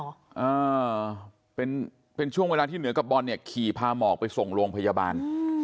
อ่าเป็นเป็นช่วงเวลาที่เหนือกับบอลเนี่ยขี่พาหมอกไปส่งโรงพยาบาลอืม